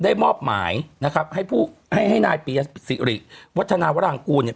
มอบหมายนะครับให้ผู้ให้ให้นายปียสิริวัฒนาวรางกูลเนี่ย